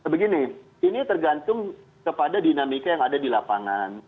begini ini tergantung kepada dinamika yang ada di lapangan